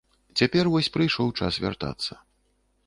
Цяпер вось прыйшоў час вяртацца.